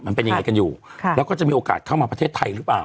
มันเป็นยังไงกันอยู่แล้วก็จะมีโอกาสเข้ามาประเทศไทยหรือเปล่า